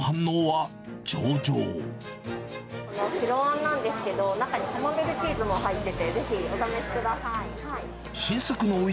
白あんなんですけど、中にカマンベールチーズも入ってて、ぜひお試しください。